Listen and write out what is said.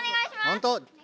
ほんと？